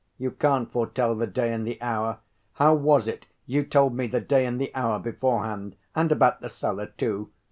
You can't foretell the day and the hour. How was it you told me the day and the hour beforehand, and about the cellar, too?